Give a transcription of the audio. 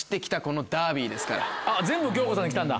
全部京子さんで来たんだ。